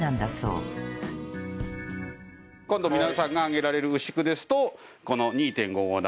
今度皆さんがあげられる牛久ですとこの２．５号玉。